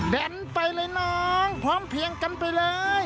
แดนไปเลยน้องพร้อมเพียงกันไปเลย